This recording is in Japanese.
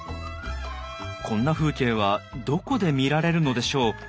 こんな風景はどこで見られるのでしょう？